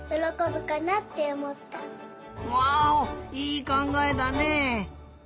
いいかんがえだね！